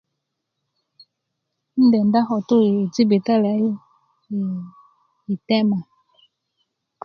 'ndenda ko tu yi jibitalia yu yi tema